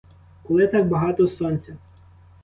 Коли так багато сонця?